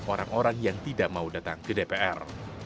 orang orang yang tidak mau datang ke dpr